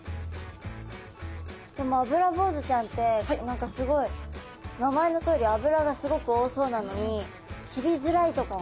でもアブラボウズちゃんって何かすごい名前のとおり脂がすごく多そうなのに切りづらいとかはないんですか？